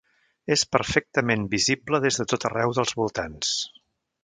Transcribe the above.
És perfectament visible des de tot arreu dels voltants.